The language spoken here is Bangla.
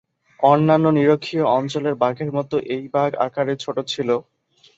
অন্যান্য নিরক্ষীয় অঞ্চলের বাঘের মত এই বাঘ আকারে ছোট ছিল।